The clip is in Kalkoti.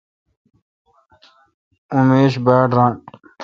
اوں میش باڑ ران۔